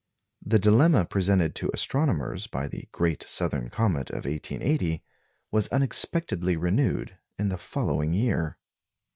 The dilemma presented to astronomers by the Great Southern Comet of 1880 was unexpectedly renewed in the following year.